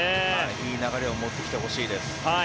いい流れを持ってきてほしいです。